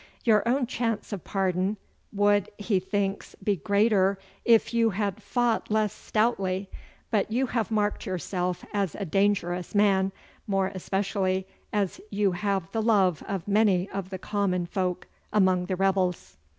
Your own chance of pardon would, he thinks, be greater if you had fought less stoutly, but you have marked yourself as a dangerous man, more especially as you have the love of many of the common folk among the rebels.